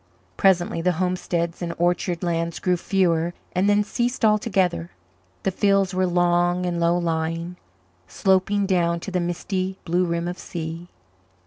Presently the homesteads and orchard lands grew fewer and then ceased altogether. The fields were long and low lying, sloping down to the misty blue rim of sea.